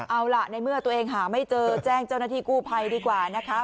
เอาล่ะในเมื่อตัวเองหาไม่เจอแจ้งเจ้าหน้าที่กู้ภัยดีกว่านะคะ